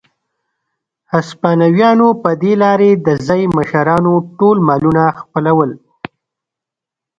هسپانویانو په دې لارې د ځايي مشرانو ټول مالونه خپلول.